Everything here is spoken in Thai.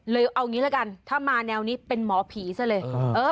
เอางี้ละกันถ้ามาแนวนี้เป็นหมอผีซะเลย